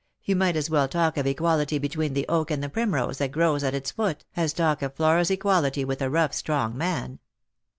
You might as well talk of equality between the oak and the primrose that grows at its foot, as talk of Flora's equality with a rough strong man."